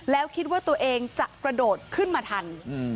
แล้วคิดว่าตัวเองจะกระโดดขึ้นมาทัน